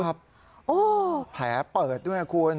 แผลเปิดด้วยคุณ